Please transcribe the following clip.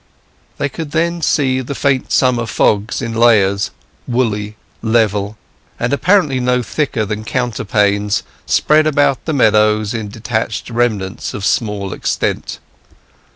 They could then see the faint summer fogs in layers, woolly, level, and apparently no thicker than counterpanes, spread about the meadows in detached remnants of small extent.